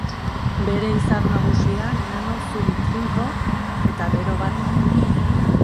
Bere izar nagusia nano zuri trinko eta bero bat da.